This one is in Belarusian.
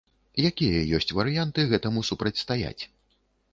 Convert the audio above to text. Якія ёсць варыянты гэтаму супрацьстаяць?